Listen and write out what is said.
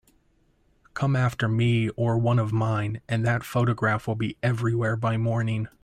Come after me or one of mine, and that photograph will be everywhere by morning.